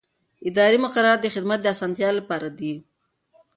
اداري مقررات د خدمت د اسانتیا لپاره دي.